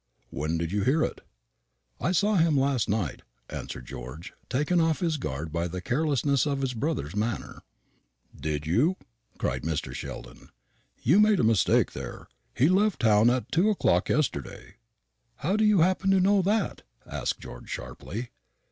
"When did you hear it?" "I saw him last night," answered George, taken off his guard by the carelessness of his brother's manner. "Did you?" cried Mr. Sheldon. "You make a mistake there. He left town at two o'clock yesterday." "How do you happen to know that?" asked George sharply.